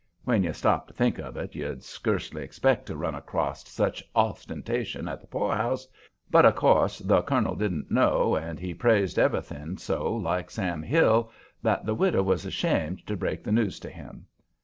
When you stop to think of it, you'd scurcely expect to run acrost much ostentation at the poorhouse, but, of course, the colonel didn't know, and he praised everything so like Sam Hill, that the widow was ashamed to break the news to him.